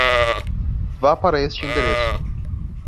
Vá para este endereço.